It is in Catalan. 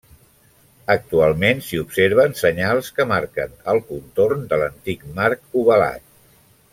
Actualment s'hi observen senyals que marquen el contorn de l’antic marc ovalat.